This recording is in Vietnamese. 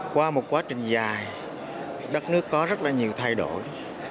qua một quá trình dài đất nước có rất là nhiều thay đổi